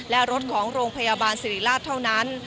และรถของโรงพยาบาลสิริราชเท่านั้น